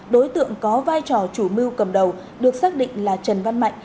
đối tượng có vai trò chủ mưu cầm đầu được xác định là trần văn mạnh